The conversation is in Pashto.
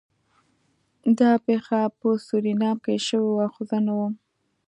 دا پیښه په سورینام کې شوې وه خو زه نه وم